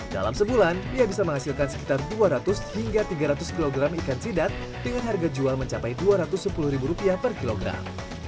dalam sebulan dia bisa menghasilkan sekitar dua ratus hingga tiga ratus kilogram ikan sidat dengan harga jual mencapai rp dua ratus sepuluh per kilogram